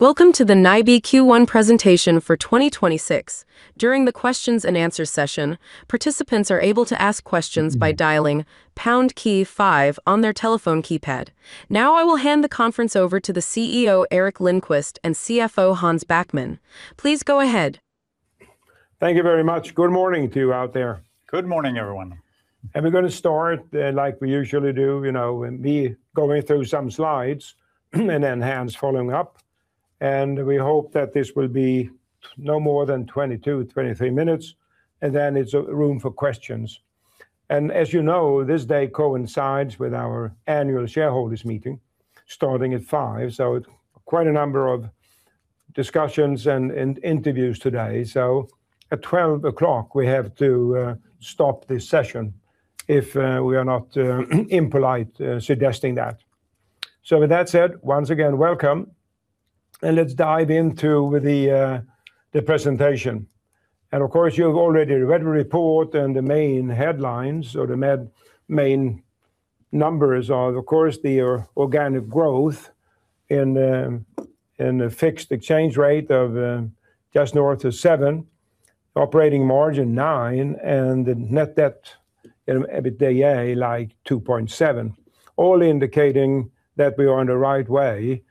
Welcome to the NIBE Q1 presentation for 2026. During the questions and answers session, participants are able to ask questions by dialing pound key 5 on their telephone keypad. I will hand the conference over to the CEO, Gerteric Lindquist, and CFO, Hans Backman. Please go ahead. Thank you very much. Good morning to you out there. Good morning, everyone. We're gonna start, like we usually do, you know, with me going through some slides, and then Hans following up. We hope that this will be no more than 22, 23 minutes, and then it's room for questions. As you know, this day coincides with our annual shareholders meeting starting at 5:00, so quite a number of discussions and interviews today. At 12:00 P.M., we have to stop this session, if we are not impolite suggesting that. With that said, once again, welcome, and let's dive into the presentation. Of course, you've already read the report and the main headlines, so the main numbers are, of course, the organic growth in the, in the fixed exchange rate of just north of 7%, operating margin 9%, and the net debt EBITDA, like, 2.7. All indicating that we are on the right way,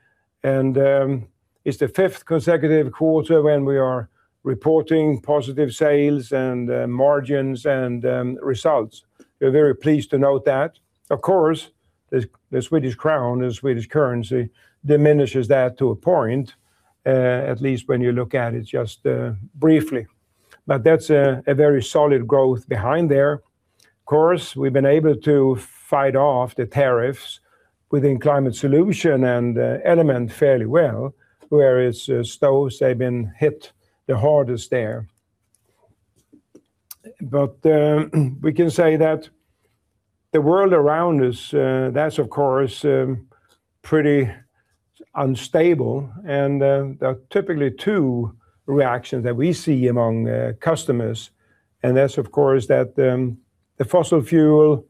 it's the fifth consecutive quarter when we are reporting positive sales and margins and results. We're very pleased to note that. Of course, the Swedish crown, the Swedish currency diminishes that to a point, at least when you look at it just briefly. That's a very solid growth behind there. Of course, we've been able to fight off the tariffs within NIBE Climate Solutions and NIBE Element fairly well, whereas NIBE Stoves, they've been hit the hardest there. We can say that the world around us, that's of course, pretty unstable, and there are typically two reactions that we see among the customers. That's of course, that the fossil fuel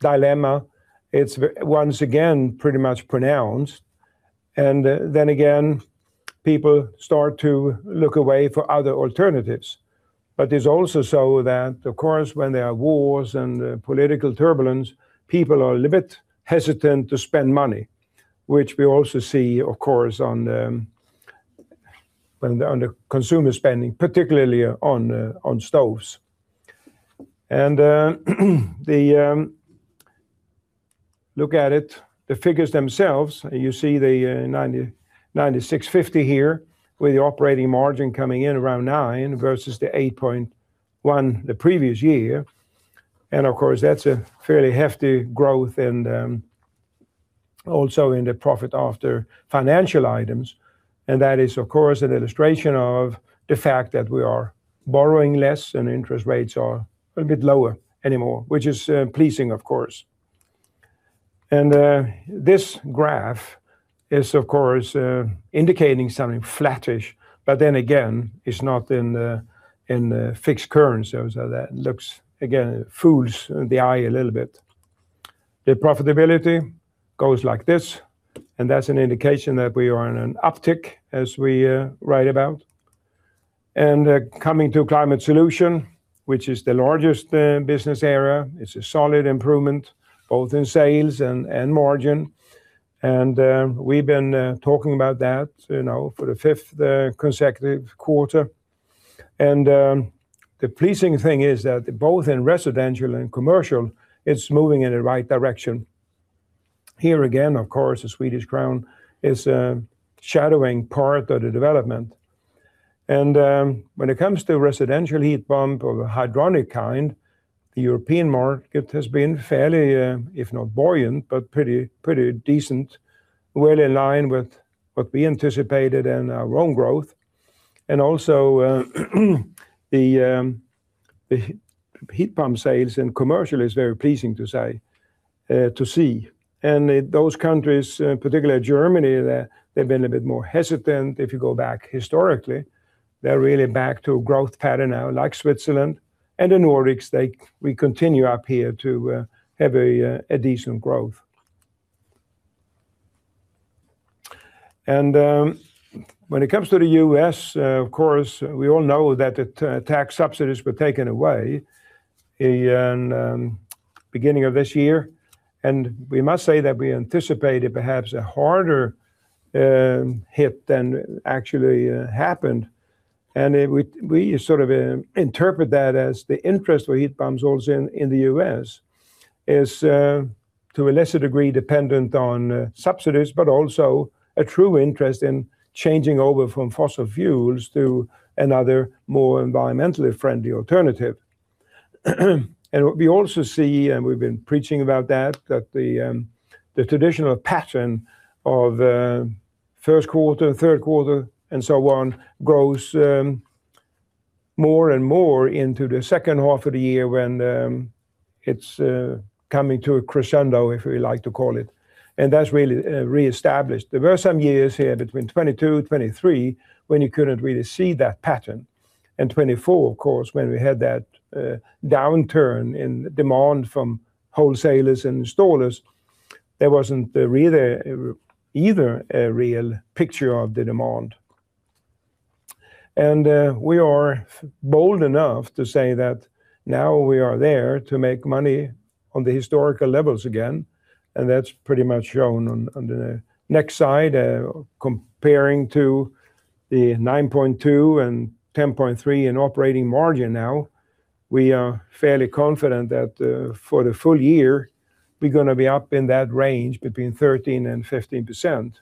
dilemma, it's once again, pretty much pronounced. Then again, people start to look away for other alternatives. It's also so that, of course, when there are wars and political turbulence, people are a little bit hesitant to spend money, which we also see, of course, on the consumer spending, particularly on stoves. Look at it, the figures themselves, you see the 9,650 here, with the operating margin coming in around 9% versus the 8.1% the previous year. Of course, that's a fairly hefty growth and also in the profit after financial items. That is, of course, an illustration of the fact that we are borrowing less and interest rates are a bit lower anymore, which is pleasing, of course. This graph is, of course, indicating something flattish, but then again, it's not in in fixed currency, so that looks, again, it fools the eye a little bit. The profitability goes like this, and that's an indication that we are on an uptick, as we write about. Coming to Climate Solutions, which is the largest business area, it's a solid improvement, both in sales and margin. We've been talking about that, you know, for the fifth consecutive quarter. The pleasing thing is that both in residential and commercial, it's moving in the right direction. Here again, of course, the Swedish crown is shadowing part of the development. When it comes to residential heat pump of a hydronic kind, the European market has been fairly, if not buoyant, but pretty decent, well in line with what we anticipated and our own growth. Also, the heat pump sales and commercial is very pleasing to say, to see. Those countries, particularly Germany, they've been a bit more hesitant. If you go back historically, they're really back to a growth pattern now, like Switzerland and the Nordics, we continue up here to have a decent growth. When it comes to the U.S., of course, we all know that the tax subsidies were taken away in beginning of this year. We must say that we anticipated perhaps a harder hit than actually happened. We sort of interpret that as the interest for heat pumps also in the U.S. is to a lesser degree, dependent on subsidies, but also a true interest in changing over from fossil fuels to another more environmentally friendly alternative. What we also see, and we've been preaching about that the traditional pattern of first quarter, third quarter, and so on, grows more and more into the 2nd half of the year when it's coming to a crescendo, if we like to call it. That's really reestablished. There were some years here between 2022, 2023, when you couldn't really see that pattern. 2024, of course, when we had that downturn in demand from wholesalers and installers, there wasn't really either a real picture of the demand. We are bold enough to say that now we are there to make money on the historical levels again, and that's pretty much shown on the next slide, comparing to the 9.2 and 10.3 in operating margin now. We are fairly confident that for the full year, we're gonna be up in that range between 13%-15%.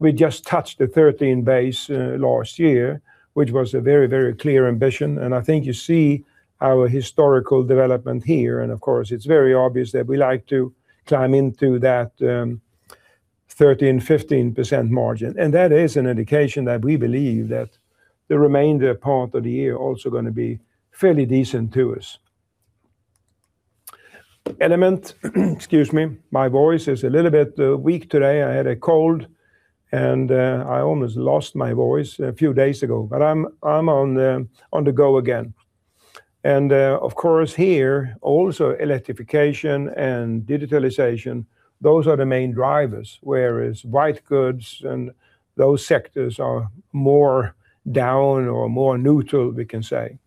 We just touched the 13 base last year, which was a very, very clear ambition. I think you see our historical development here. Of course, it's very obvious that we like to climb into that 13%-15% margin. That is an indication that we believe that the remainder part of the year also gonna be fairly decent to us. NIBE Element, excuse me, my voice is a little bit weak today. I had a cold, and I almost lost my voice a few days ago, I'm on the go again. Of course here, also electrification and digitalization, those are the main drivers, whereas white goods and those sectors are more down or more neutral, we can say.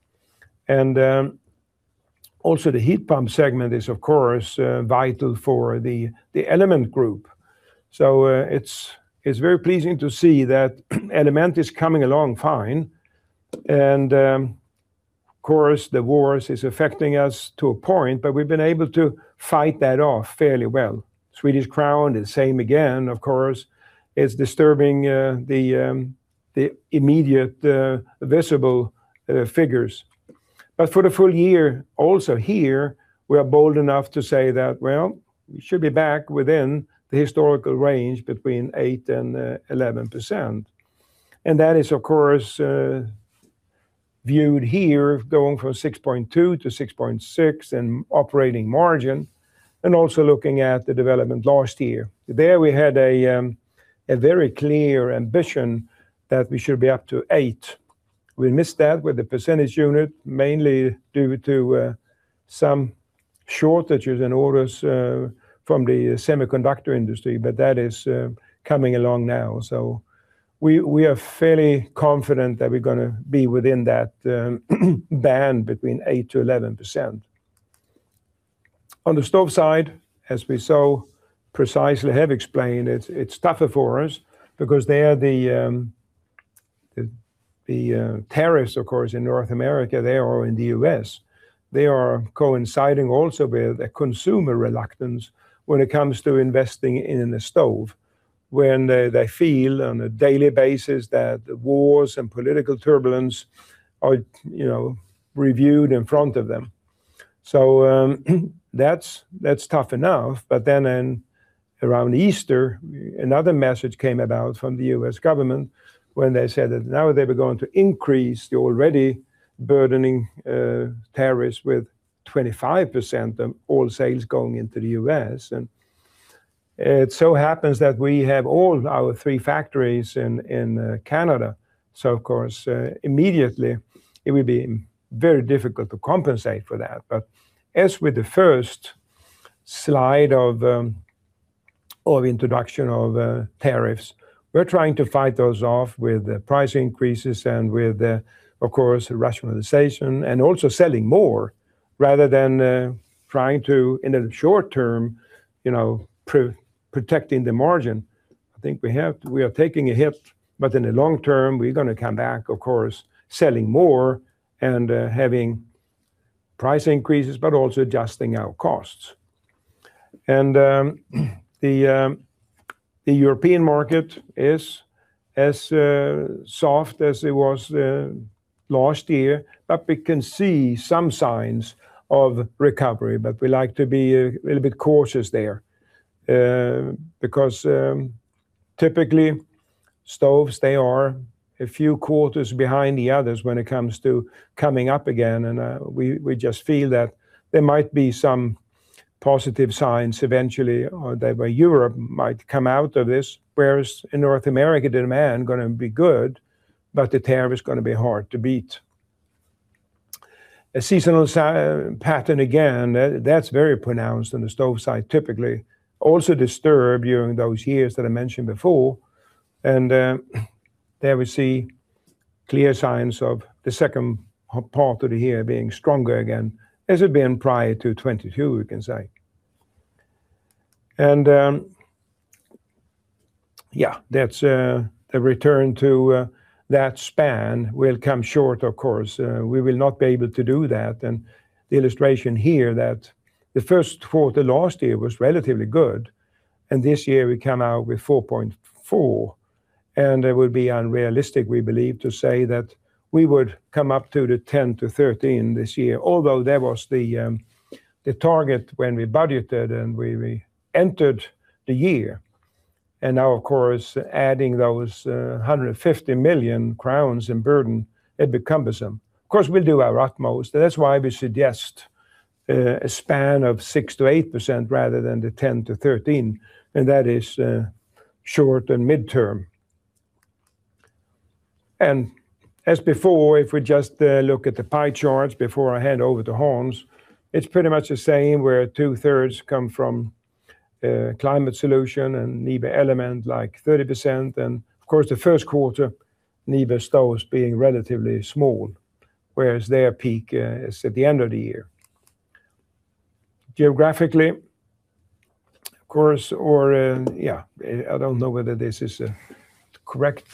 Also the heat pump segment is of course vital for the Element group. It's very pleasing to see that Element is coming along fine. Of course, the wars is affecting us to a point, but we've been able to fight that off fairly well. Swedish crown is same again, of course, is disturbing the immediate visible figures. For the full year, also here, we are bold enough to say that, well, we should be back within the historical range between 8% and 11%. That is of course viewed here going from 6.2 to 6.6 in operating margin, and also looking at the development last year. There we had a very clear ambition that we should be up to eight. We missed that with the percentage unit, mainly due to some shortages in orders from the semiconductor industry, but that is coming along now. We are fairly confident that we're gonna be within that band between 8%-11%. On the stove side, as we so precisely have explained, it's tougher for us because they are the tariffs of course, in North America, they are in the U.S. They are coinciding also with a consumer reluctance when it comes to investing in a stove, when they feel on a daily basis that the wars and political turbulence are, you know, reviewed in front of them. That's tough enough. In around Easter, another message came about from the U.S. government when they said that now they were going to increase the already burdening tariffs with 25% of all sales going into the U.S. We have all our three factories in Canada. Immediately it would be very difficult to compensate for that. With the first slide of introduction of tariffs, we're trying to fight those off with price increases and with, of course, rationalization and also selling more rather than trying to, in the short term, you know, pro-protecting the margin. I think we are taking a hit, but in the long term, we're gonna come back, of course, selling more and having price increases, but also adjusting our costs. The European market is as soft as it was last year, but we can see some signs of recovery, but we like to be a little bit cautious there. Because typically stoves, they are a few quarters behind the others when it comes to coming up again. We just feel that there might be some positive signs eventually that where Europe might come out of this, whereas in North America, demand gonna be good, but the tariff is gonna be hard to beat. A seasonal pattern, again, that's very pronounced on the stove side, typically also disturbed during those years that I mentioned before. There we see clear signs of the second part of the year being stronger again, as it's been prior to 2022, we can say. Yeah, that's a return to that span will come short, of course. We will not be able to do that. The illustration here that the first quarter last year was relatively good, and this year we come out with 4.4. It would be unrealistic, we believe, to say that we would come up to the 10%-13% this year, although that was the target when we budgeted and we entered the year. Now, of course, adding those 150 million crowns in burden, it'd be cumbersome. Of course, we'll do our utmost. That's why we suggest a span of 6%-8% rather than the 10%-13%. That is Short and midterm. As before, if we just look at the pie charts before I hand over to Hans, it's pretty much the same where two-thirds come from Climate Solution and NIBE Element, like, 30%. Of course, the first quarter, NIBE Stoves being relatively small, whereas their peak is at the end of the year. Geographically, of course, or, yeah, I don't know whether this is a correct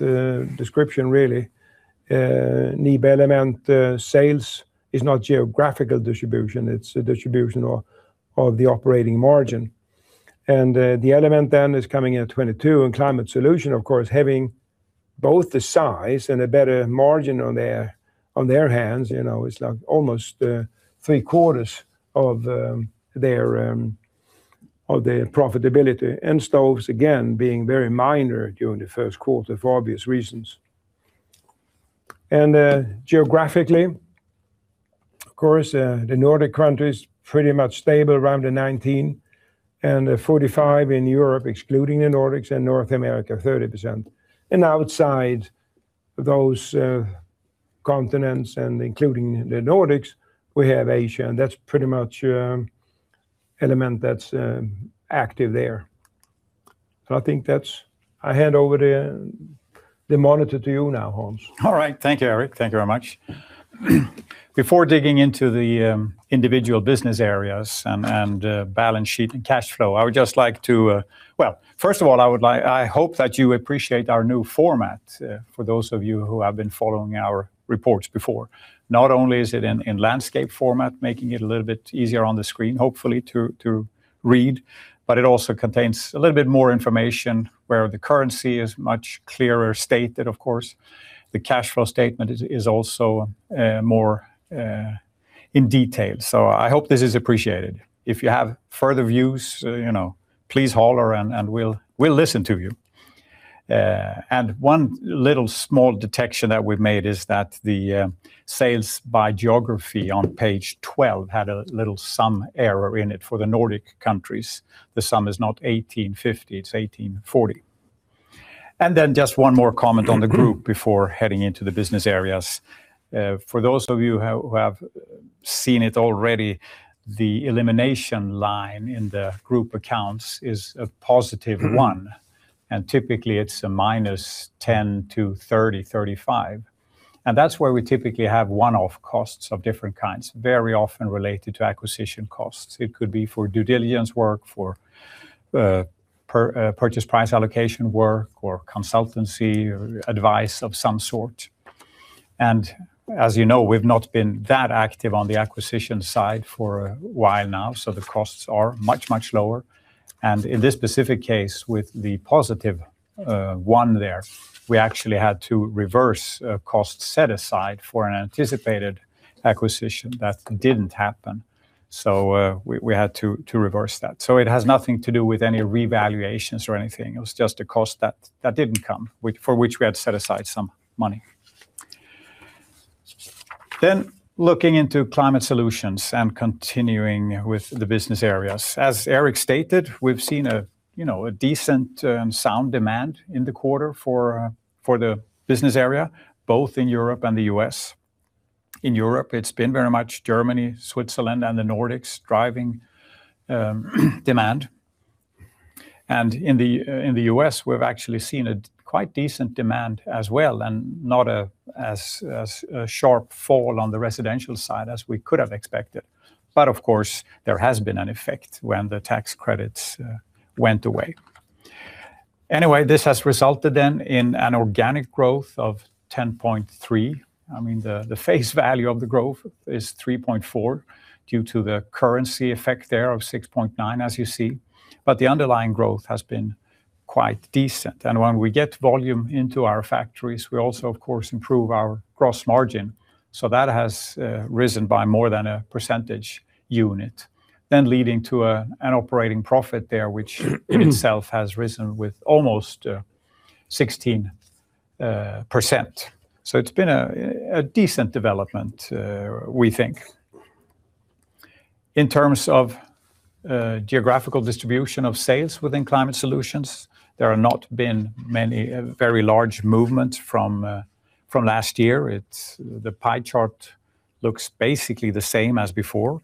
description really. NIBE Element sales is not geographical distribution, it's a distribution of the operating margin. The Element then is coming at 22%, Climate Solution, of course, having both the size and a better margin on their hands, you know, it's like almost three-quarters of their profitability. Stoves, again, being very minor during the first quarter for obvious reasons. Geographically, of course, the Nordic countries pretty much stable around the 19%, and 45% in Europe, excluding the Nordics and North America, 30%. Outside those continents and including the Nordics, we have Asia, and that's pretty much Element that's active there. I think that's I hand over the monitor to you now, Hans. All right. Thank you, Eric. Thank you very much. Before digging into the individual business areas and balance sheet and cash flow, I would just like to Well, first of all, I hope that you appreciate our new format for those of you who have been following our reports before. Not only is it in landscape format, making it a little bit easier on the screen, hopefully, to read, but it also contains a little bit more information where the currency is much clearer stated, of course. The cash flow statement is also more in detail. I hope this is appreciated. If you have further views, you know, please holler and we'll listen to you. One little small detection that we've made is that the sales by geography on page 12 had a little sum error in it for the Nordic countries. The sum is not 1,850, it's 1,840. Just one more comment on the group before heading into the business areas. For those of you who have seen it already, the elimination line in the group accounts is a +1, and typically it's -10 to 30, 35. That's where we typically have one-off costs of different kinds, very often related to acquisition costs. It could be for due diligence work, for purchase price allocation work, or consultancy or advice of some sort. As you know, we've not been that active on the acquisition side for a while now, so the costs are much, much lower. In this specific case, with the +1 there, we actually had to reverse a cost set aside for an anticipated acquisition that didn't happen. We had to reverse that. It has nothing to do with any revaluations or anything. It was just a cost that didn't come, for which we had set aside some money. Looking into Climate Solutions and continuing with the business areas. As Gerteric stated, we've seen a, you know, a decent, sound demand in the quarter for the business area, both in Europe and the U.S. In Europe, it's been very much Germany, Switzerland, and the Nordics driving demand. In the U.S., we've actually seen a quite decent demand as well, not a sharp fall on the residential side as we could have expected. Of course, there has been an effect when the tax credits went away. This has resulted then in an organic growth of 10.3%. The face value of the growth is 3.4% due to the currency effect there of 6.9%, as you see. The underlying growth has been quite decent. When we get volume into our factories, we also, of course, improve our gross margin, so that has risen by more than a percentage unit. Leading to an operating profit there, which in itself has risen with almost 16%. It's been a decent development, we think. In terms of geographical distribution of sales within Climate Solutions, there have not been many very large movement from last year. The pie chart looks basically the same as before.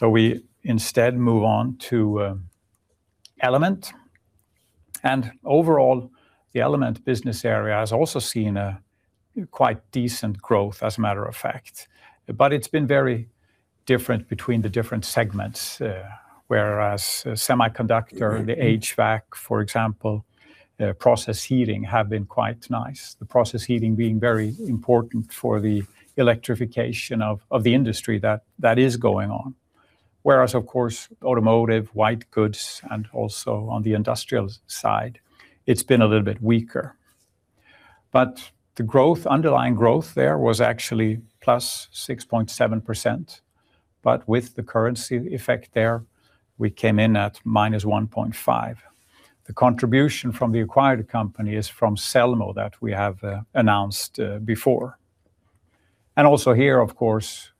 We instead move on to Element. Overall, the Element Business Area has also seen a quite decent growth, as a matter of fact. It's been very different between the different segments, whereas semiconductor, the HVAC, for example, process heating have been quite nice. The process heating being very important for the electrification of the industry that is going on. Of course, automotive, white goods, and also on the industrial side, it's been a little bit weaker. The growth, underlying growth there was actually +6.7%, but with the currency effect there, we came in at -1.5%. The contribution from the acquired company is from Selmo that we have announced before. Also here, of course,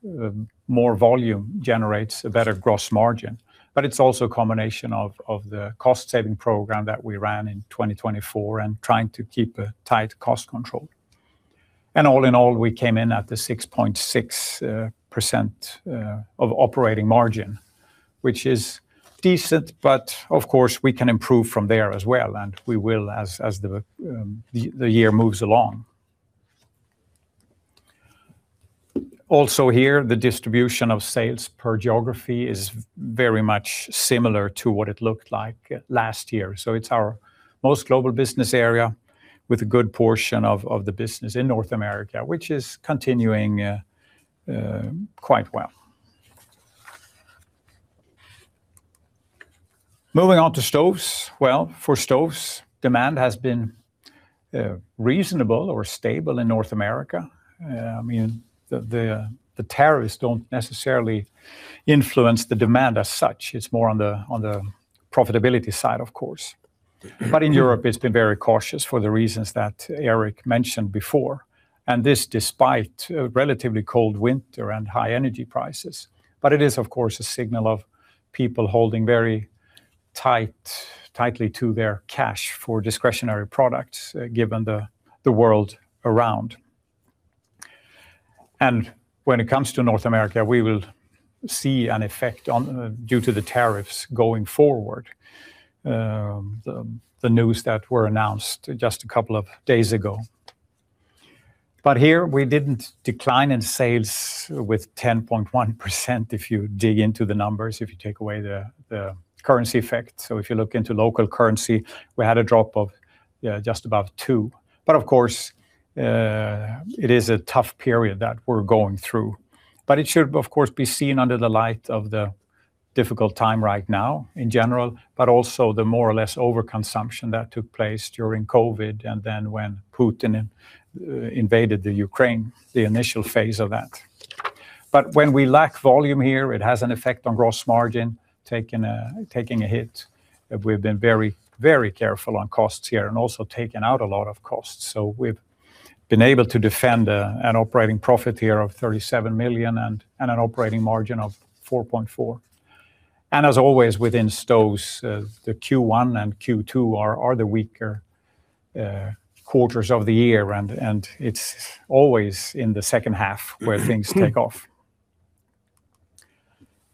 more volume generates a better gross margin, but it's also a combination of the cost-saving program that we ran in 2024 and trying to keep a tight cost control. All in all, we came in at the 6.6% of operating margin, which is decent, but of course, we can improve from there as well, and we will as the year moves along. Also here, the distribution of sales per geography is very much similar to what it looked like last year. It's our most global business area with a good portion of the business in North America, which is continuing quite well. Moving on to stoves. For stoves, demand has been reasonable or stable in North America. I mean, the tariffs don't necessarily influence the demand as such. It's more on the profitability side, of course. In Europe, it's been very cautious for the reasons that Eric mentioned before, and this despite a relatively cold winter and high energy prices. It is, of course, a signal of people holding very tightly to their cash for discretionary products, given the world around. When it comes to North America, we will see an effect due to the tariffs going forward, the news that were announced just a couple of days ago. Here we didn't decline in sales with 10.1%, if you dig into the numbers, if you take away the currency effect. If you look into local currency, we had a drop of just above 2. Of course, it is a tough period that we're going through. It should, of course, be seen under the light of the difficult time right now in general, but also the more or less overconsumption that took place during COVID and then when Putin invaded Ukraine, the initial phase of that. When we lack volume here, it has an effect on gross margin, taking a hit. We've been very, very careful on costs here and also taken out a lot of costs. We've been able to defend an operating profit here of 37 million and an operating margin of 4.4%. As always, within stoves, the Q1 and Q2 are the weaker quarters of the year, and it's always in the second half where things take off.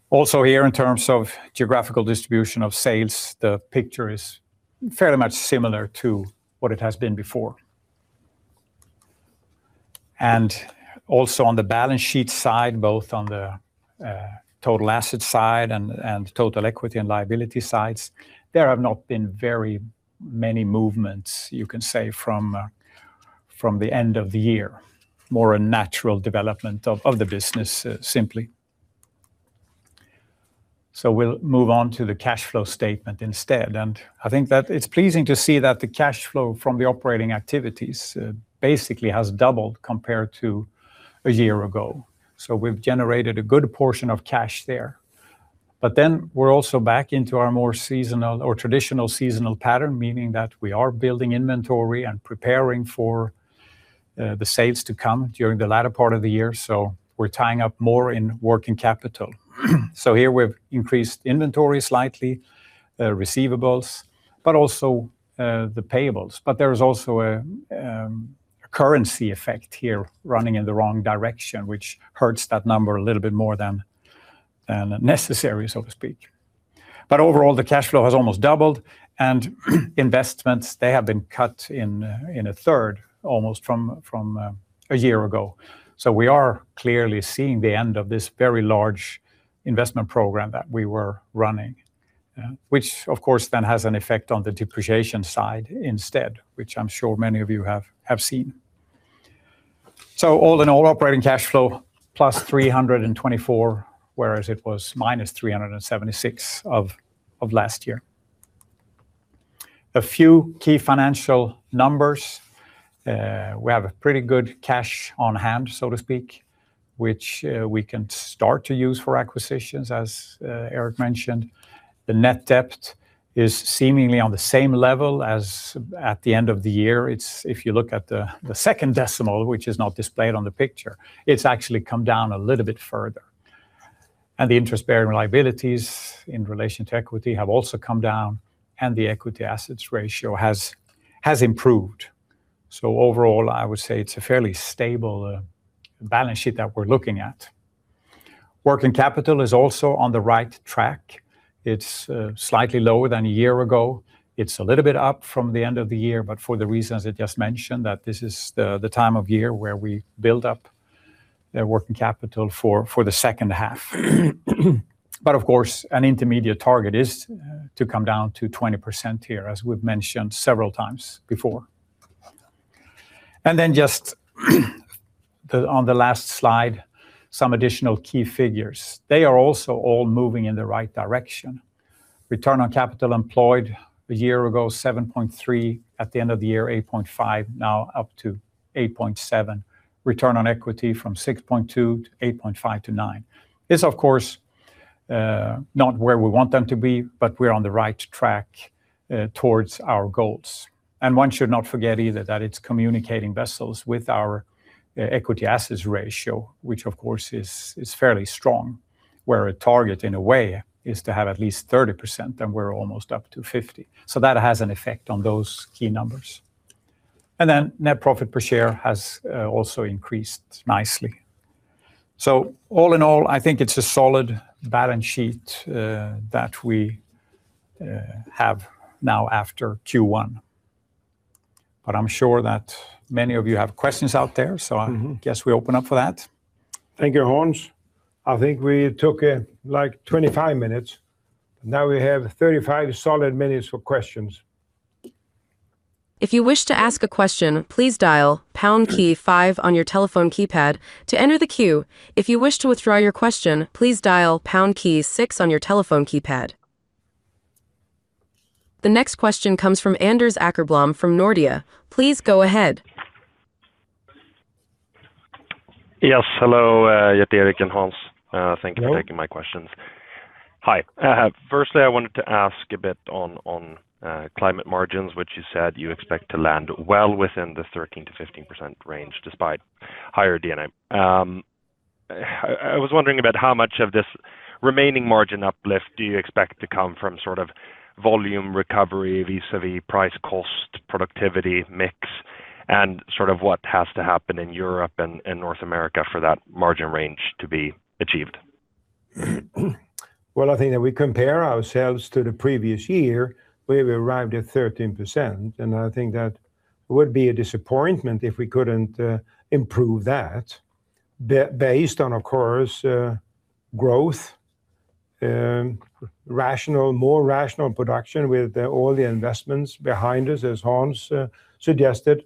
Also here, in terms of geographical distribution of sales, the picture is fairly much similar to what it has been before. Also on the balance sheet side, both on the total asset side and total equity and liability sides, there have not been very many movements, you can say, from the end of the year. More a natural development of the business, simply. We'll move on to the cash flow statement instead. I think that it's pleasing to see that the cash flow from the operating activities basically has doubled compared to a year ago. We've generated a good portion of cash there. We're also back into our more seasonal or traditional seasonal pattern, meaning that we are building inventory and preparing for the sales to come during the latter part of the year. We're tying up more in working capital. Here we've increased inventory slightly, receivables, but also the payables. There is also a currency effect here running in the wrong direction, which hurts that number a little bit more than necessary, so to speak. Overall, the cash flow has almost doubled, and investments, they have been cut in a third, almost from a year ago. We are clearly seeing the end of this very large investment program that we were running, which of course then has an effect on the depreciation side instead, which I'm sure many of you have seen. All in all, operating cash flow plus 324, whereas it was -376 of last year. A few key financial numbers. We have a pretty good cash on hand, so to speak, which we can start to use for acquisitions, as Eric mentioned. The net debt is seemingly on the same level as at the end of the year. If you look at the second decimal, which is not displayed on the picture, it's actually come down a little bit further. The interest-bearing liabilities in relation to equity have also come down, and the equity assets ratio has improved. Overall, I would say it's a fairly stable balance sheet that we're looking at. Working capital is also on the right track. It's slightly lower than a year ago. It's a little bit up from the end of the year, for the reasons I just mentioned, that this is the time of year where we build up the working capital for the second half. Of course, an intermediate target is to come down to 20% here, as we've mentioned several times before. Just on the last slide, some additional key figures. They are also all moving in the right direction. Return on capital employed a year ago, 7.3%, at the end of the year, 8.5%, now up to 8.7%. Return on equity from 6.2% to 8.5% to 9%. It's of course, not where we want them to be, but we're on the right track towards our goals. One should not forget either that it's communicating vessels with our equity assets ratio, which of course is fairly strong, where a target in a way is to have at least 30%, and we're almost up to 50%. That has an effect on those key numbers. Net profit per share has also increased nicely. All in all, I think it's a solid balance sheet that we have now after Q1. I'm sure that many of you have questions out there. I guess we open up for that. Thank you, Hans. I think we took, like, 25 minutes. Now we have 35 solid minutes for questions. If you wish to ask a question, please dial pound key five on your telephone keypad to enter the queue. If you wish to withdraw your question, please dial pound key six on your telephone keypad. The next question comes from Anders Åkerblom from Nordea. Please go ahead. Yes. Hello, [Gotthard], Gerteric, and Hans. Thank you for taking my questions. Hello. Hi. Firstly, I wanted to ask a bit on climate margins, which you said you expect to land well within the 13%-15% range despite higher D&A. I was wondering about how much of this remaining margin uplift do you expect to come from sort of volume recovery vis-à-vis price, cost, productivity, mix, and sort of what has to happen in Europe and North America for that margin range to be achieved? Well, I think that we compare ourselves to the previous year, we've arrived at 13%. I think that would be a disappointment if we couldn't improve that based on, of course, growth, rational, more rational production with all the investments behind us, as Hans suggested.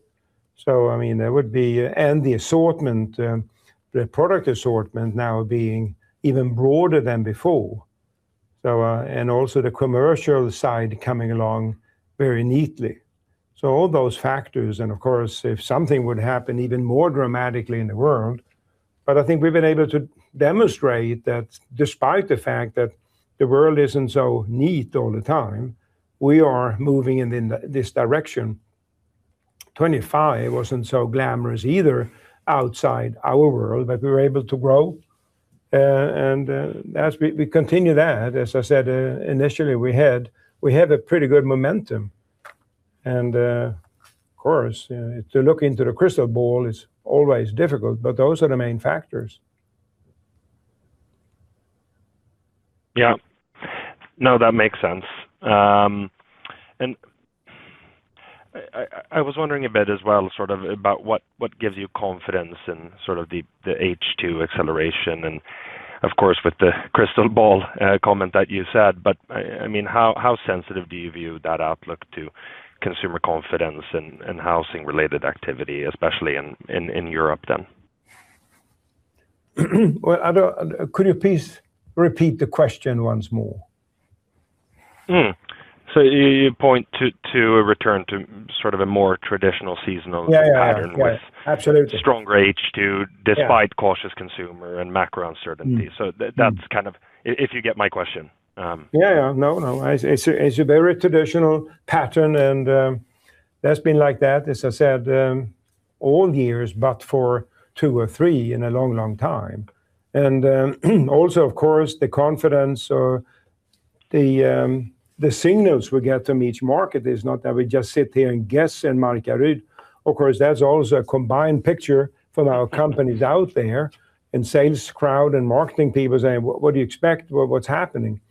I mean, the assortment, the product assortment now being even broader than before, the commercial side coming along very neatly. All those factors, and of course, if something would happen even more dramatically in the world, I think we've been able to demonstrate that despite the fact that the world isn't so neat all the time, we are moving in this direction. 2025 wasn't so glamorous either outside our world, we were able to grow. As we continue that, as I said, initially, we have a pretty good momentum. Of course, to look into the crystal ball is always difficult, but those are the main factors. Yeah. No, that makes sense. And I was wondering a bit as well, sort of about what gives you confidence in sort of the H2 acceleration and of course, with the crystal ball comment that you said, but I mean, how sensitive do you view that outlook to consumer confidence and housing related activity, especially in Europe then? Well, could you please repeat the question once more? You point to a return to sort of a more traditional seasonal pattern. Yeah, yeah. Yes. Absolutely. with stronger H2. Yeah despite cautious consumer and macro uncertainties. That's kind of If you get my question. Yeah, yeah. No, no. It's a very traditional pattern, and that's been like that, as I said, all years, but for two or three in a long, long time. Also, of course, the confidence or the signals we get from each market is not that we just sit here and guess and market read. Of course, that's always a combined picture from our companies out there and sales crowd and marketing people saying, "What, what do you expect? What, what's happening?"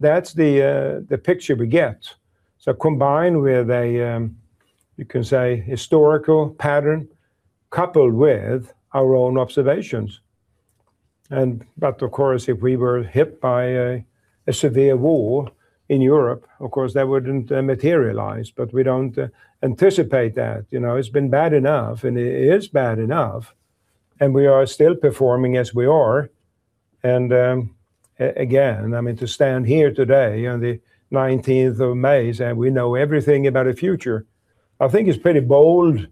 That's the picture we get. Combined with a, you can say historical pattern coupled with our own observations. But of course, if we were hit by a severe war in Europe, of course, that wouldn't materialize, but we don't anticipate that. You know, it's been bad enough, it is bad enough, we are still performing as we are. Again, I mean, to stand here today on the May 19th saying we know everything about the future, I think it's pretty bold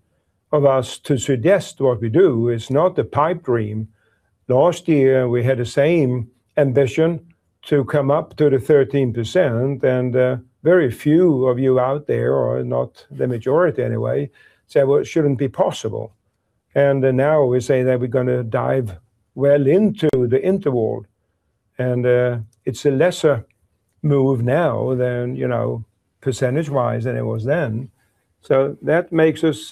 of us to suggest what we do. It's not a pipe dream. Last year, we had the same ambition to come up to the 13%, very few of you out there, or not the majority anyway, said, "Well, it shouldn't be possible." Now we say that we're gonna dive well into the interval, it's a lesser move now than, you know, percentage-wise than it was then. That makes us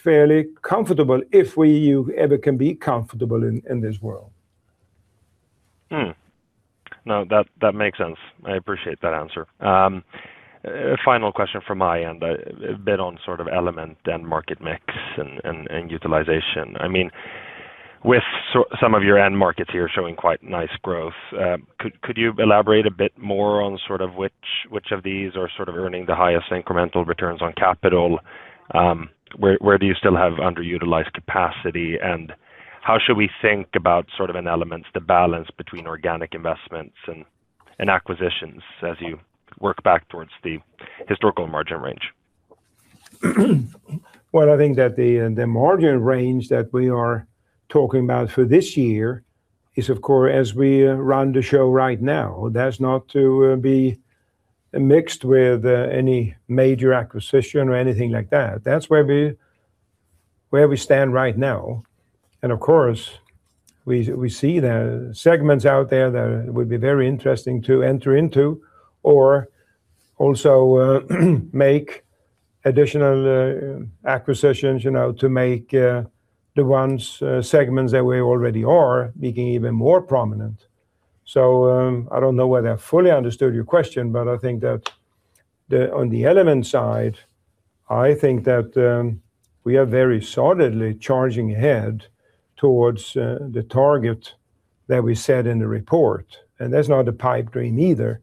fairly comfortable if we ever can be comfortable in this world. No, that makes sense. I appreciate that answer. A final question from my end, a bit on sort of Element and market mix and utilization. I mean, with some of your end markets here showing quite nice growth, could you elaborate a bit more on sort of which of these are sort of earning the highest incremental returns on capital? Where do you still have underutilized capacity? How should we think about sort of in Elements the balance between organic investments and acquisitions as you work back towards the historical margin range? Well, I think that the margin range that we are talking about for this year is of course, as we run the show right now, that's not to be mixed with any major acquisition or anything like that. That's where we stand right now. Of course, we see the segments out there that would be very interesting to enter into or also make additional acquisitions, you know, to make the ones segments that we already are becoming even more prominent. I don't know whether I fully understood your question, but I think that on the Element side, I think that we are very solidly charging ahead towards the target that we set in the report, and that's not a pipe dream either.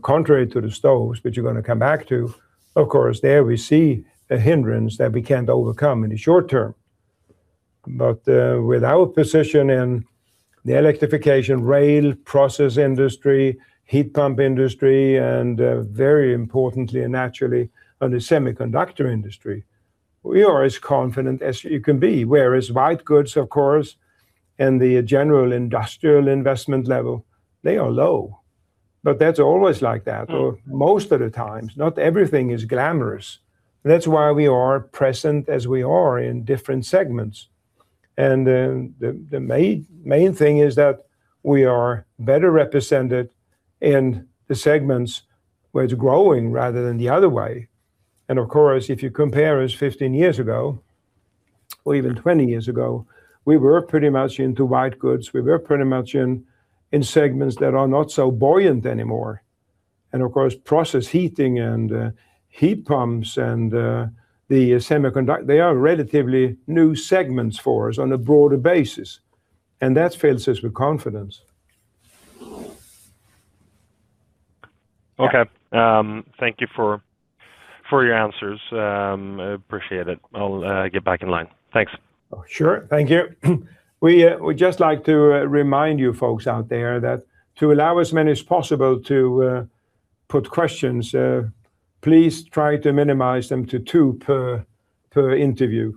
Contrary to the stoves, which you're going to come back to, of course, there we see a hindrance that we can't overcome in the short term. With our position in the electrification rail process industry, heat pump industry, and very importantly and naturally on the semiconductor industry, we are as confident as you can be, whereas white goods, of course, and the general industrial investment level, they are low. That's always like that. or most of the times. Not everything is glamorous. That's why we are present as we are in different segments. The main thing is that we are better represented in the segments where it's growing rather than the other way. Of course, if you compare us 15 years ago, or even 20 years ago, we were pretty much into white goods. We were pretty much in segments that are not so buoyant anymore. Of course, process heating, heat pumps, and the semiconductor, they are relatively new segments for us on a broader basis, and that fills us with confidence. Okay. Thank you for your answers. Appreciate it. I'll get back in line. Thanks. Oh, sure. Thank you. We would just like to remind you folks out there that to allow as many as possible to put questions, please try to minimize them to two per interview.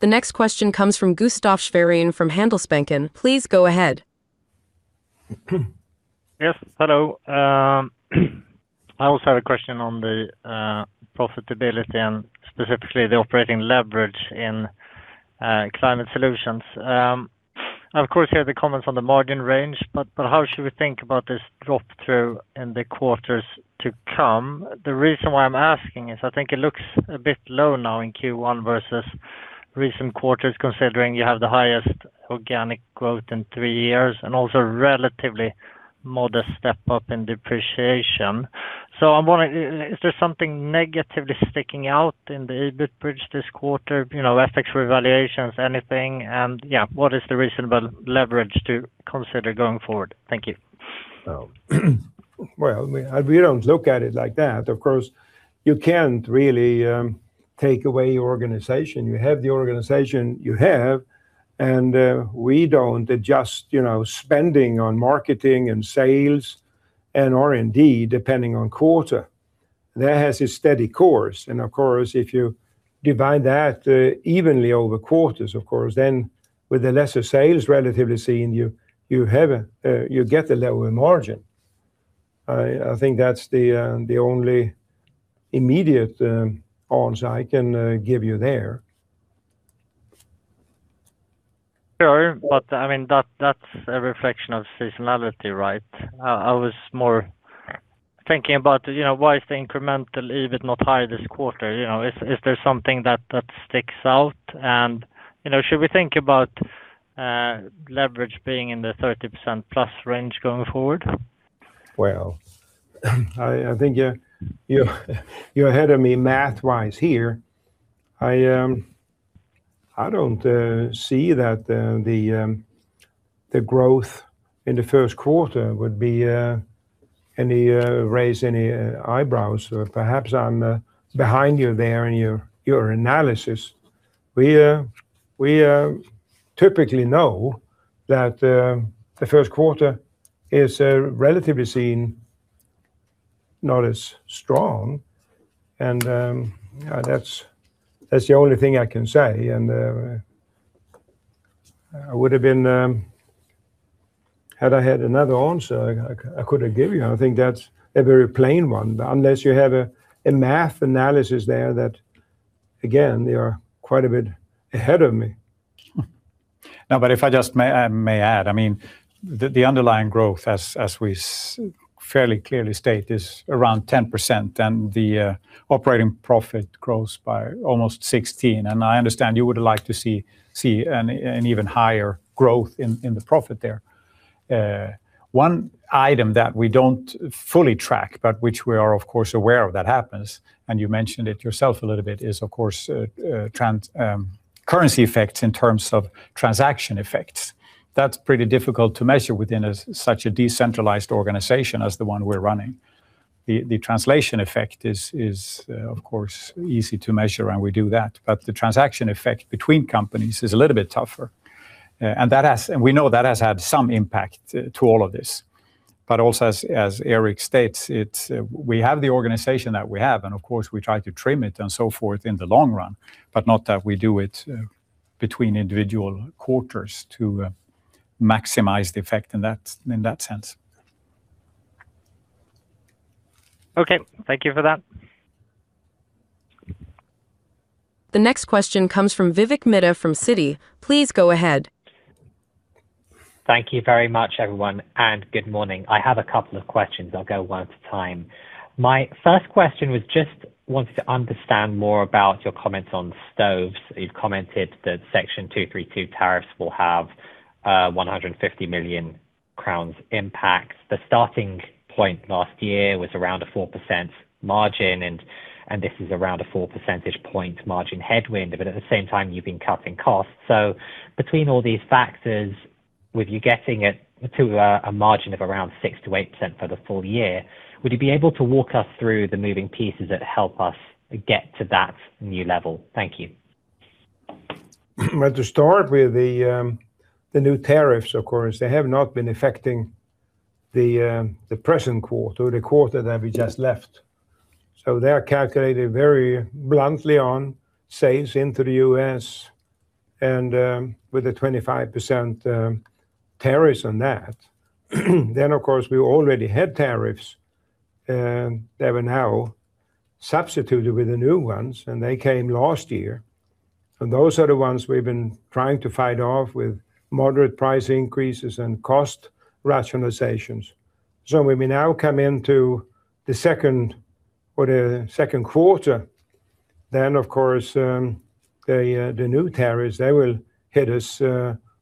The next question comes from Gustaf Schwerin from Handelsbanken. Please go ahead. Yes. Hello. I also have a question on the profitability and specifically the operating leverage in Climate Solutions. Of course, you had the comments on the margin range, but how should we think about this drop through in the quarters to come? The reason why I'm asking is I think it looks a bit low now in Q1 versus recent quarters, considering you have the highest organic growth in three years and also relatively modest step up in depreciation. I'm wondering, is there something negatively sticking out in the EBIT bridge this quarter? You know, FX revaluations, anything, and yeah, what is the reasonable leverage to consider going forward? Thank you. Oh, well, I mean, we don't look at it like that. You can't really take away your organization. You have the organization you have, we don't adjust, you know, spending on marketing and sales and R&D, depending on quarter. That has a steady course, if you divide that evenly over quarters, of course, then with the lesser sales relatively seen, you have a, you get a lower margin. I think that's the only immediate answer I can give you there. Sure. I mean, that's a reflection of seasonality, right? I was more thinking about, you know, why is the incremental EBIT not high this quarter, you know. Is there something that sticks out? You know, should we think about leverage being in the 30%+ range going forward? Well, I think you're ahead of me math-wise here. I don't see that the growth in the first quarter would be any raise any eyebrows. Or perhaps I'm behind you there in your analysis. We typically know that the first quarter is relatively seen not as strong, and that's the only thing I can say. I would've been Had I had another answer, I could give you. I think that's a very plain one, unless you have a math analysis there that, again, you're quite a bit ahead of me. No, if I just may add, I mean, the underlying growth as we fairly clearly state is around 10%, and the operating profit grows by almost 16. I understand you would like to see an even higher growth in the profit there. One item that we don't fully track, but which we are of course aware of that happens, and you mentioned it yourself a little bit, is of course currency effects in terms of transaction effects. That's pretty difficult to measure within such a decentralized organization as the one we're running. The translation effect is of course easy to measure, and we do that, but the transaction effect between companies is a little bit tougher. We know that has had some impact to all of this. Also as Gerteric states, it's, we have the organization that we have, and of course, we try to trim it and so forth in the long run, but not that we do it between individual quarters to maximize the effect in that, in that sense. Okay. Thank you for that. The next question comes from Vivek Mehta from Citi. Please go ahead. Thank you very much, everyone, and good morning. I have a couple of questions. I'll go one at a time. My first question was just wanted to understand more about your comments on stoves. You've commented that Section 232 tariffs will have 150 million crowns impact. The starting point last year was around a 4% margin and this is around a four percentage point margin headwind, at the same time, you've been cutting costs. Between all these factors, with you getting it to a margin of around 6%-8% for the full year, would you be able to walk us through the moving pieces that help us get to that new level? Thank you. Well, to start with the new tariffs, of course, they have not been affecting the present quarter, the quarter that we just left. They are calculated very bluntly on sales into the U.S. and with the 25% tariffs on that. Of course, we already had tariffs, they were now substituted with the new ones, and they came last year. Those are the ones we've been trying to fight off with moderate price increases and cost rationalizations. When we now come into the second or the second quarter, of course, the new tariffs, they will hit us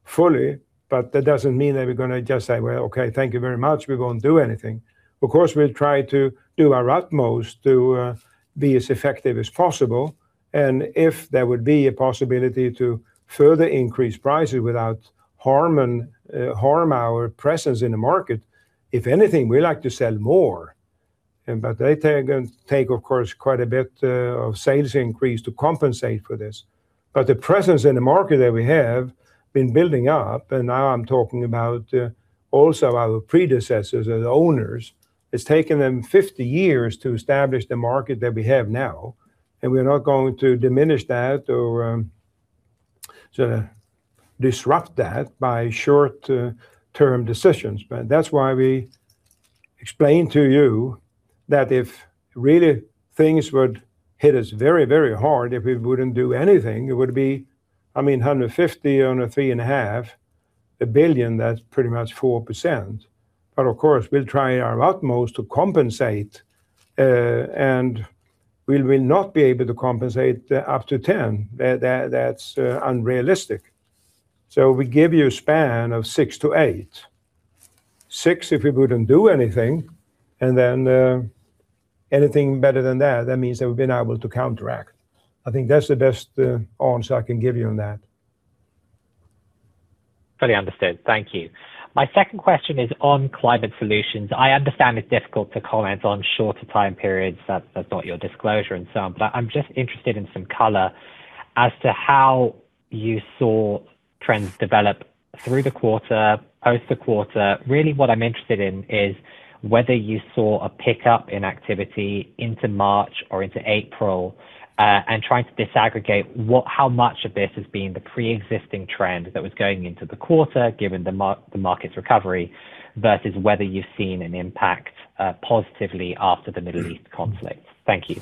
fully, but that doesn't mean that we're gonna just say, "Well, okay, thank you very much. We won't do anything." Of course, we'll try to do our utmost to be as effective as possible, and if there would be a possibility to further increase prices without harm and harm our presence in the market, if anything, we like to sell more. They take and take, of course, quite a bit of sales increase to compensate for this. The presence in the market that we have been building up, and now I'm talking about also our predecessors as owners, it's taken them 50 years to establish the market that we have now, and we're not going to diminish that or sort of disrupt that by short-term decisions. That's why we explain to you that if really things would hit us very, very hard, if we wouldn't do anything, it would be, I mean, 150 on a 3.5 billion, that's pretty much 4%. Of course, we'll try our utmost to compensate, and we will not be able to compensate up to 10. That's unrealistic. We give you a span of 6%-8%. 6%, if we wouldn't do anything, and then anything better than that means that we've been able to counteract. I think that's the best answer I can give you on that. Fully understood. Thank you. My second question is on Climate Solutions. I understand it's difficult to comment on shorter time periods. That's not your disclosure and so on. I'm just interested in some color as to how you saw trends develop through the quarter, post the quarter. Really what I'm interested in is whether you saw a pickup in activity into March or into April, and trying to disaggregate how much of this has been the preexisting trend that was going into the quarter, given the market's recovery, versus whether you've seen an impact positively after the Middle East conflict. Thank you.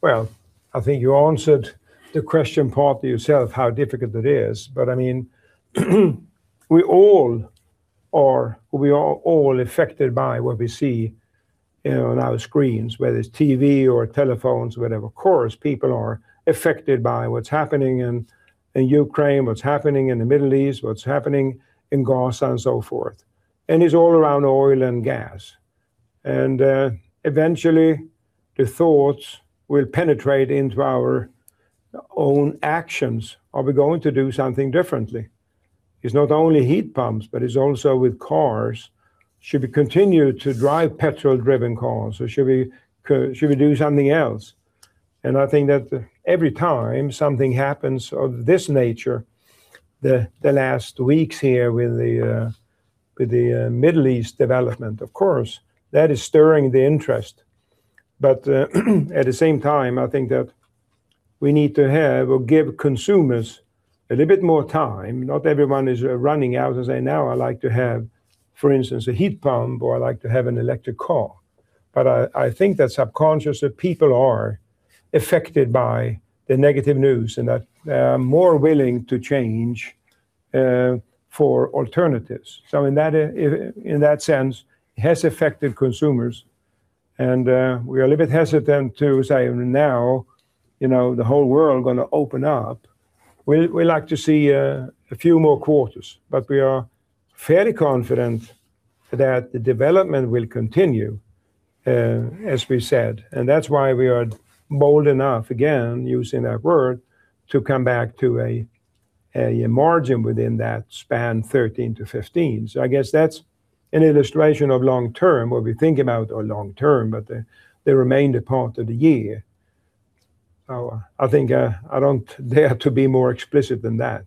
Well, I think you answered the question partly yourself, how difficult it is. I mean, we are all affected by what we see on our screens, whether it's TV or telephones, whatever. Of course, people are affected by what's happening in Ukraine, what's happening in the Middle East, what's happening in Gaza, and so forth. It's all around oil and gas. Eventually, the thoughts will penetrate into our own actions. Are we going to do something differently? It's not only heat pumps, but it's also with cars. Should we continue to drive petrol-driven cars, or should we do something else? I think that every time something happens of this nature, the last weeks here with the Middle East development, of course, that is stirring the interest. At the same time, I think that we need to have or give consumers a little bit more time. Not everyone is running out and say, "Now I like to have, for instance, a heat pump, or I like to have an electric car." I think that subconsciously, people are affected by the negative news and that they are more willing to change for alternatives. In that sense, it has affected consumers, and we are a little bit hesitant to say now, you know, the whole world gonna open up. We like to see a few more quarters, but we are fairly confident that the development will continue as we said. That's why we are bold enough, again, using that word, to come back to a margin within that span 13%-15%. I guess that's an illustration of long term, what we think about a long term, but the remainder part of the year. I think, I don't dare to be more explicit than that.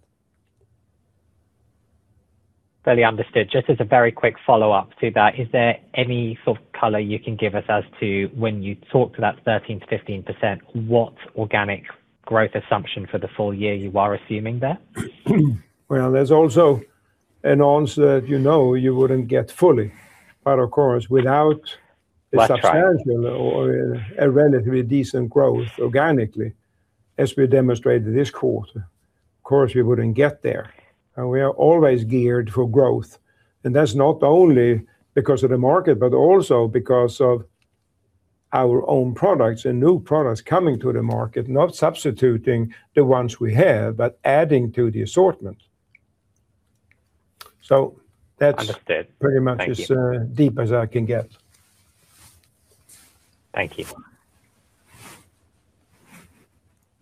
Fairly understood. Just as a very quick follow-up to that, is there any sort of color you can give us as to when you talk to that 13%-15%, what organic growth assumption for the full year you are assuming there? Well, there's also an answer that you know you wouldn't get fully. I'll try. a substantial or a relatively decent growth organically, as we demonstrated this quarter, of course, we wouldn't get there. We are always geared for growth, and that's not only because of the market, but also because of our own products and new products coming to the market, not substituting the ones we have, but adding to the assortment. Understood. Thank you. pretty much as deep as I can get. Thank you.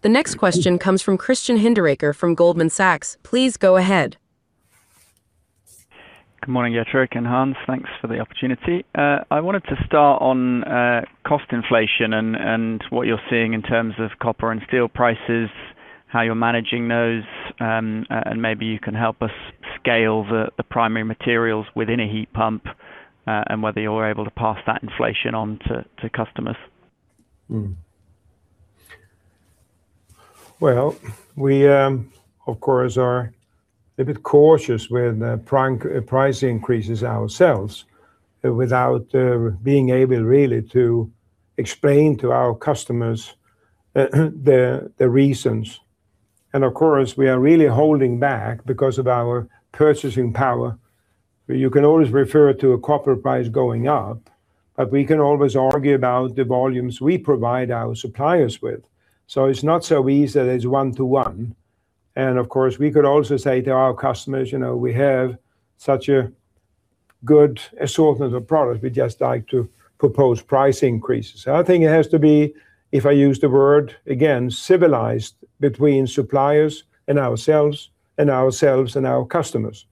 The next question comes from Christian Hinderaker from Goldman Sachs. Please go ahead. Good morning, Gerteric and Hans. Thanks for the opportunity. I wanted to start on cost inflation and what you're seeing in terms of copper and steel prices, how you're managing those. Maybe you can help us scale the primary materials within a heat pump and whether you're able to pass that inflation on to customers. Well, we, of course, are a bit cautious with price increases ourselves without being able really to explain to our customers the reasons. Of course, we are really holding back because of our purchasing power. You can always refer to a copper price going up, but we can always argue about the volumes we provide our suppliers with. It's not so easy that it's one-to-one. Of course, we could also say to our customers, "You know, we have such a good assortment of products. We just like to propose price increases." I think it has to be, if I use the word, again, civilized between suppliers and ourselves, and ourselves and our customers.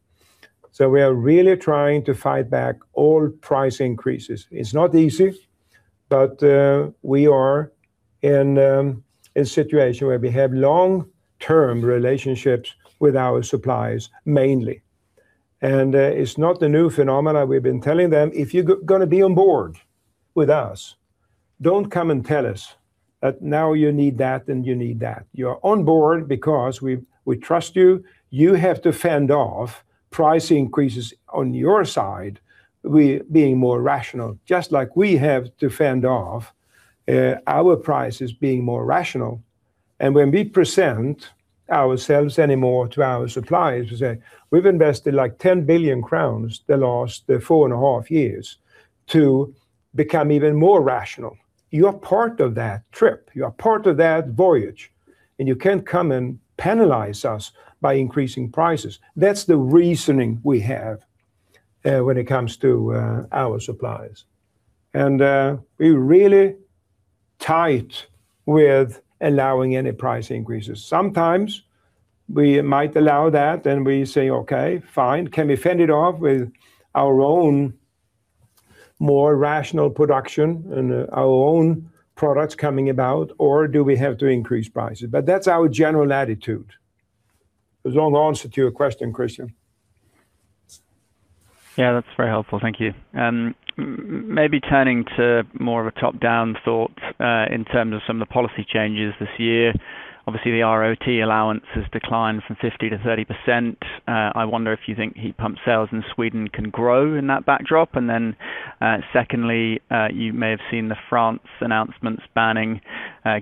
We are really trying to fight back all price increases. It's not easy, we are in a situation where we have long-term relationships with our suppliers mainly, it's not a new phenomenon. We've been telling them, "If you're going to be on board with us, don't come and tell us that now you need that and you need that. You're on board because we trust you. You have to fend off price increases on your side with being more rational, just like we have to fend off our prices being more rational." When we present ourselves anymore to our suppliers, we say, "We've invested like 10 billion crowns the last 4.5 years to become even more rational. You are part of that trip. You are part of that voyage, and you can't come and penalize us by increasing prices." That's the reasoning we have, when it comes to, our suppliers. We're really tight with allowing any price increases. Sometimes we might allow that and we say, "Okay, fine. Can we fend it off with our own more rational production and, our own products coming about, or do we have to increase prices?" That's our general attitude. A long answer to your question, Christian. Yeah, that's very helpful. Thank you. Maybe turning to more of a top-down thought, in terms of some of the policy changes this year. Obviously, the ROT allowance has declined from 50% to 30%. I wonder if you think heat pump sales in Sweden can grow in that backdrop. Then, secondly, you may have seen the France announcements banning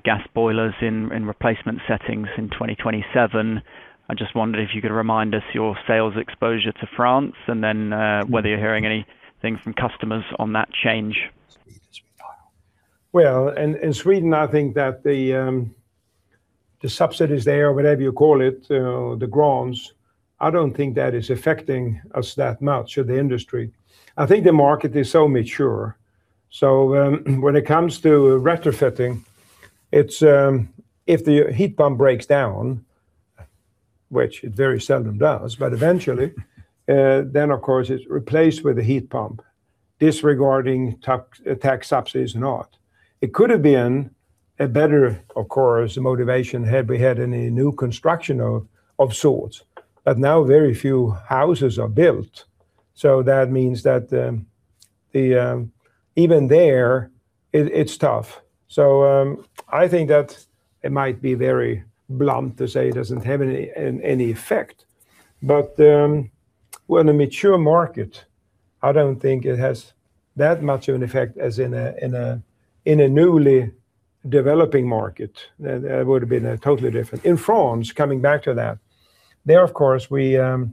gas boilers in replacement settings in 2027. I just wondered if you could remind us your sales exposure to France and then whether you're hearing anything from customers on that change. Well, in Sweden, I think that the subsidies there, whatever you call it, the grants, I don't think that is affecting us that much or the industry. I think the market is so mature. When it comes to retrofitting, if the heat pump breaks down, which it very seldom does, but eventually, then of course it's replaced with a heat pump disregarding tax subsidies or not. It could have been a better, of course, motivation had we had any new construction of sorts. Now very few houses are built, so that means that even there it's tough. I think that it might be very blunt to say it doesn't have any effect. We're in a mature market. I don't think it has that much of an effect as in a, in a, in a newly developing market. That would've been totally different. In France, coming back to that, there of course, we are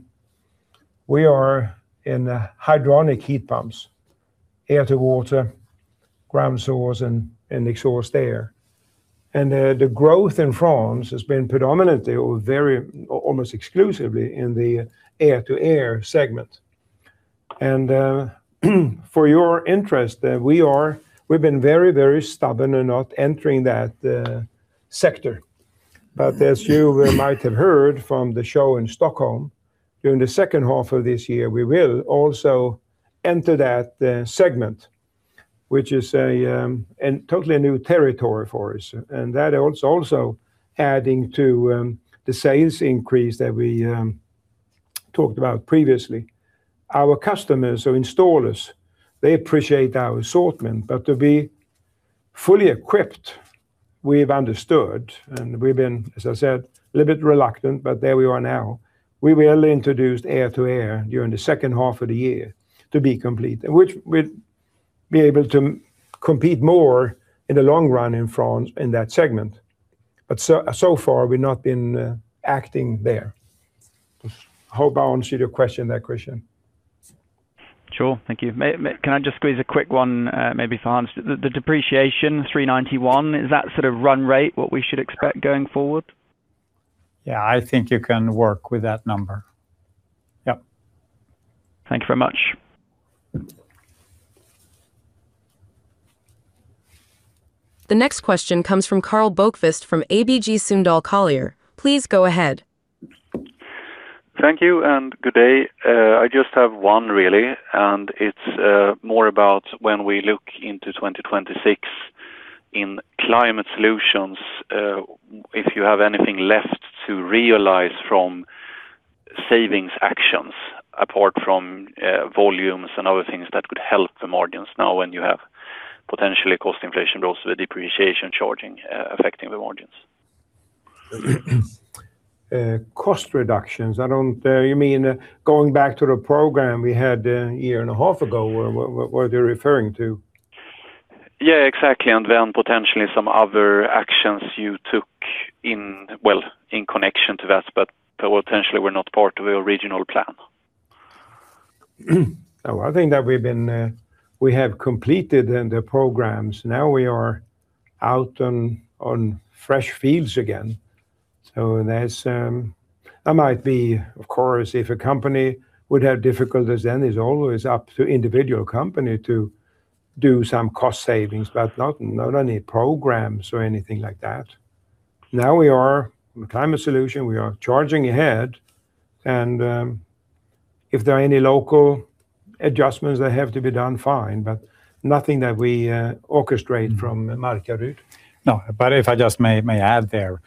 in hydronic heat pumps, air-to-water, ground source, and exhaust air. The growth in France has been predominantly or very, almost exclusively in the air-to-air segment. For your interest, we've been very stubborn in not entering that sector. As you might have heard from the show in Stockholm, during the second half of this year, we will also enter that segment, which is an totally new territory for us. That also adding to the sales increase that we talked about previously. Our customers or installers, they appreciate our assortment, but to be fully equipped, we've understood, and we've been, as I said, a little bit reluctant, but there we are now. We will introduce air to air during the second half of the year to be complete, which we'll be able to compete more in the long run in front in that segment. So far we've not been acting there. Hope I answered your question there, Christian. Sure. Thank you. May I just squeeze a quick one, maybe for Hans? The depreciation 391, is that sort of run rate what we should expect going forward? Yeah, I think you can work with that number. Yep. Thank you very much. The next question comes from Karl Bokvist from ABG Sundal Collier. Please go ahead. Thank you and good day. I just have one really. It is more about when we look into 2026 in Climate Solutions, if you have anything left to realize from savings actions apart from volumes and other things that could help the margins now when you have potentially cost inflation but also the depreciation charging, affecting the margins. Cost reductions. You mean going back to the program we had a year and a half ago, what are you referring to? Yeah, exactly. Potentially some other actions you took in, well, in connection to that, but potentially were not part of your original plan. No, I think that we've been, we have completed in the programs. We are out on fresh fields again. There might be, of course, if a company would have difficulties, then it's always up to individual company to do some cost savings, but not any programs or anything like that. We are, in the NIBE Climate Solutions, we are charging ahead and, if there are any local adjustments that have to be done, fine, but nothing that we orchestrate from Markaryd. But if I just may add there,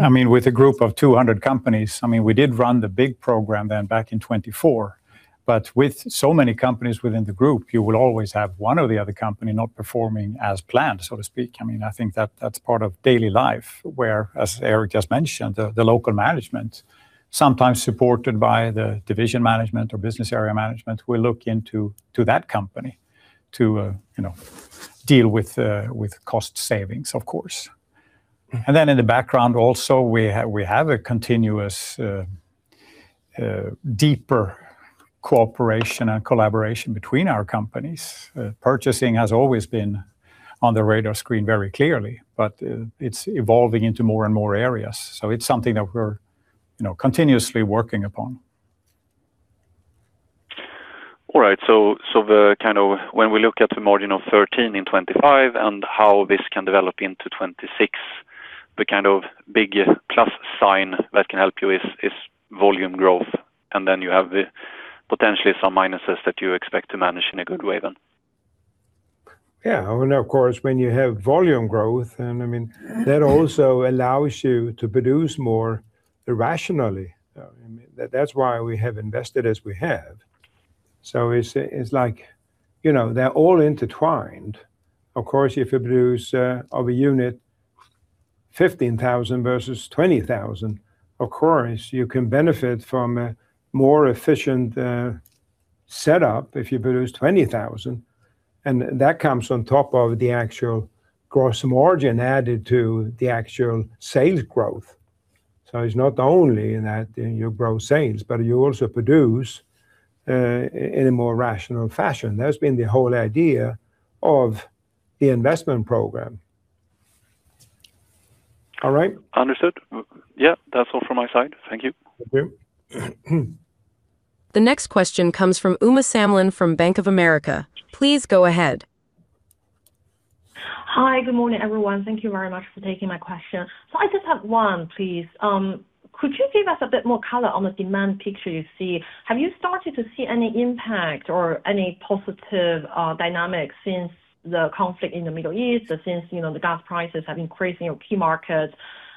I mean, with a group of 200 companies, I mean, we did run the big program then back in 2024. With so many companies within the group, you will always have one or the other company not performing as planned, so to speak. I mean, I think that that's part of daily life, where, as Eric just mentioned, the local management, sometimes supported by the division management or business area management, will look into that company to, you know, deal with cost savings, of course. In the background also, we have a continuous deeper cooperation and collaboration between our companies. Purchasing has always been on the radar screen very clearly, but it's evolving into more and more areas. It's something that we're, you know, continuously working upon. All right. The kind of When we look at the margin of 13 in 2025 and how this can develop into 2026, the kind of big plus sign that can help you is volume growth, and then you have potentially some minuses that you expect to manage in a good way then. Yeah. Of course, when you have volume growth and I mean, that also allows you to produce more rationally. I mean, that's why we have invested as we have. It's like, you know, they're all intertwined. Of course, if you produce of a unit 15,000 versus 20,000, of course, you can benefit from a more efficient setup if you produce 20,000, and that comes on top of the actual gross margin added to the actual sales growth. It's not only that you grow sales, but you also produce in a more rational fashion. That's been the whole idea of the investment program. All right? Understood. Yeah. That's all from my side. Thank you. Thank you. The next question comes from Uma Samlin from Bank of America. Please go ahead. Hi. Good morning, everyone. Thank you very much for taking my question. I just have one, please. Could you give us a bit more color on the demand picture you see? Have you started to see any impact or any positive dynamics since the conflict in the Middle East or since, you know, the gas prices have increased in your key markets?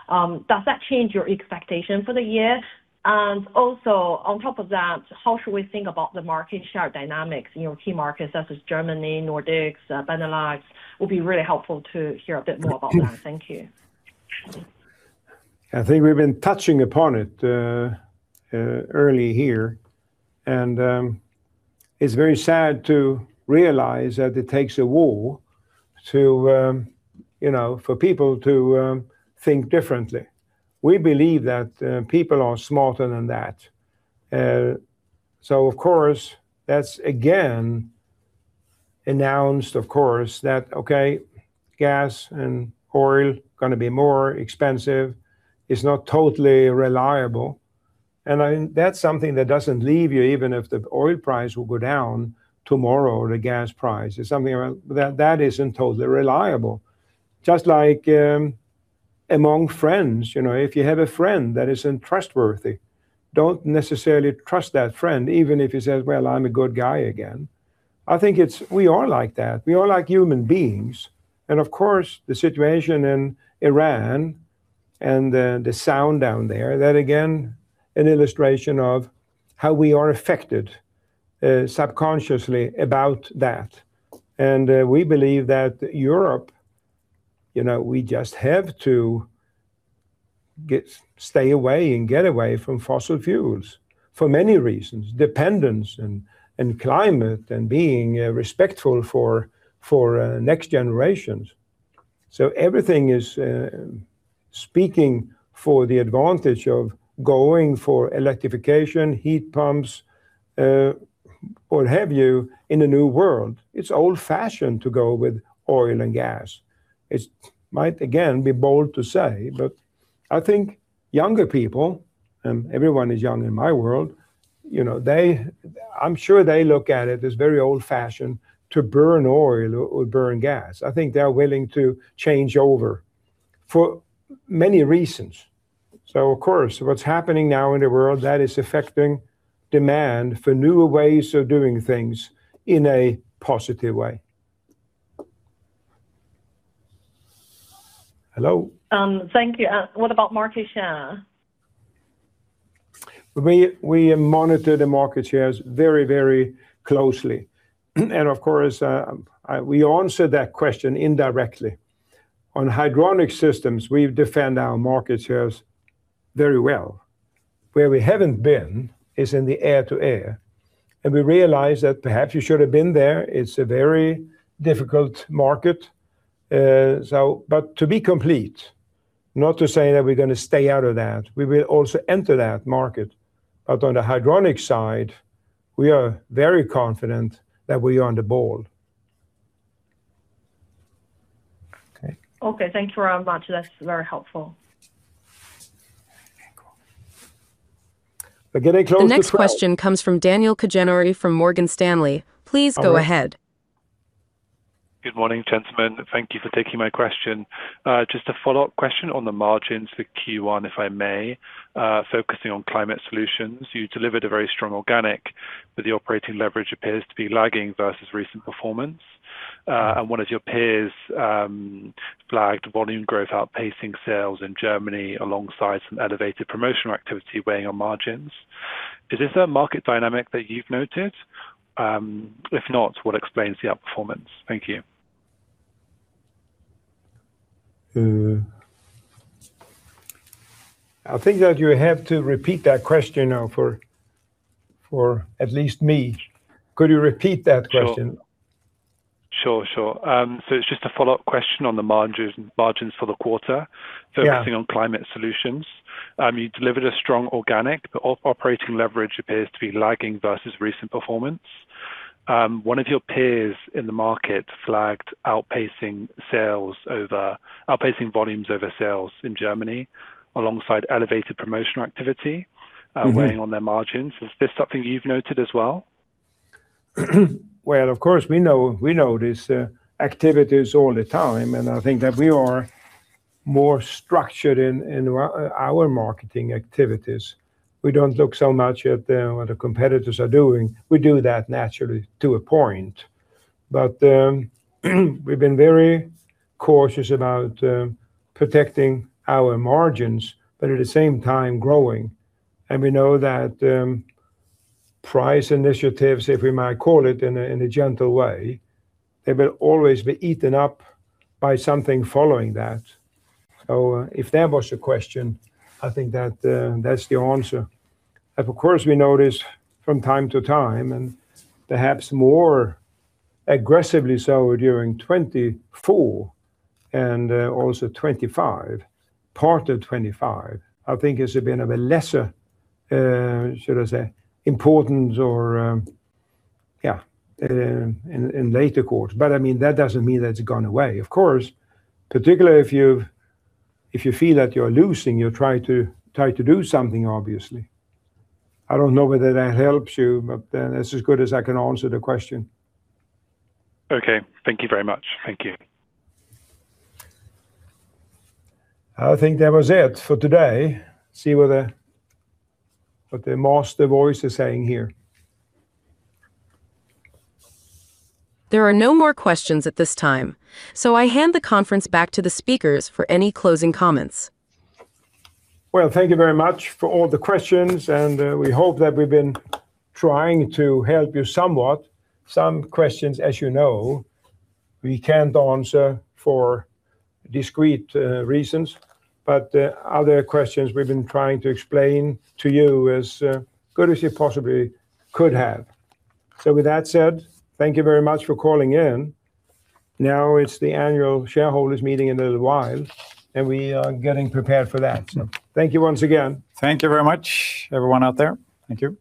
Does that change your expectation for the year? On top of that, how should we think about the market share dynamics in your key markets such as Germany, Nordics, Benelux? Would be really helpful to hear a bit more about that. Thank you. I think we've been touching upon it early here. It's very sad to realize that it takes a war to, you know, for people to think differently. We believe that people are smarter than that. Of course, that's again announced, of course, that, okay, gas and oil going to be more expensive. It's not totally reliable. I mean, that's something that doesn't leave you even if the oil price will go down tomorrow, or the gas price. It's something that isn't totally reliable. Just like, among friends, you know. If you have a friend that isn't trustworthy, don't necessarily trust that friend, even if he says, "Well, I'm a good guy again." We are like that. We are like human beings. Of course, the situation in Iran and the sound down there, that again, an illustration of how we are affected subconsciously about that. We believe that Europe, you know, we just have to stay away and get away from fossil fuels for many reasons. Dependence and climate and being respectful for next generations. Everything is speaking for the advantage of going for electrification, heat pumps, what have you, in the new world. It might, again, be bold to say, but I think younger people, everyone is young in my world, you know, they, I'm sure they look at it as very old-fashioned to burn oil or burn gas. I think they are willing to change over for many reasons. Of course, what's happening now in the world, that is affecting demand for newer ways of doing things in a positive way. Hello? Thank you. What about market share? We monitor the market shares very, very closely. Of course, we answered that question indirectly. On hydronic systems, we've defend our market shares very well. Where we haven't been is in the air-to-air, and we realize that perhaps we should have been there. It's a very difficult market. To be complete, not to say that we're gonna stay out of that. We will also enter that market. On the hydronic side, we are very confident that we are on the ball. Okay. Okay. Thank you very much. That's very helpful. Okay, cool. The next question comes from Daniel Khajenouri from Morgan Stanley. Please go ahead. Hello. Good morning, gentlemen. Thank you for taking my question. Just a follow-up question on the margins for Q1, if I may. Focusing on climate solutions, you delivered a very strong organic, but the operating leverage appears to be lagging versus recent performance. One of your peers flagged volume growth outpacing sales in Germany alongside some elevated promotional activity weighing on margins. Is this a market dynamic that you've noted? If not, what explains the outperformance? Thank you. I think that you have to repeat that question, for at least me. Could you repeat that question? Sure. Sure, sure. It's just a follow-up question on the margins for the quarter. Yeah focusing on Climate Solutions. You delivered a strong organic, but operating leverage appears to be lagging versus recent performance. One of your peers in the market flagged outpacing sales over, outpacing volumes over sales in Germany alongside elevated promotional activity. weighing on their margins. Is this something you've noted as well? Well, of course, we notice activities all the time. I think that we are more structured in our marketing activities. We don't look so much at what the competitors are doing. We do that naturally, to a point. We've been very cautious about protecting our margins, but at the same time growing. We know that price initiatives, if we might call it in a gentle way, they will always be eaten up by something following that. If that was the question, I think that's the answer. Of course, we notice from time to time, perhaps more aggressively so during 2024 and also 2025, part of 2025. I think it's been of a lesser, should I say, importance or, yeah, in later course. I mean, that doesn't mean that it's gone away. Of course, particularly if you've, if you feel that you're losing, you try to do something, obviously. I don't know whether that helps you, but it's as good as I can answer the question. Okay. Thank you very much. Thank you. I think that was it for today. See what the master voice is saying here. There are no more questions at this time. I hand the conference back to the speakers for any closing comments. Well, thank you very much for all the questions. We hope that we've been trying to help you somewhat. Some questions, as you know, we can't answer for discrete reasons. Other questions we've been trying to explain to you as good as we possibly could have. With that said, thank you very much for calling in. Now it's the annual shareholders meeting in a little while. We are getting prepared for that. Thank you once again. Thank you very much, everyone out there. Thank you.